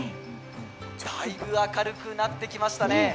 だいぶ明るくなってきましたね。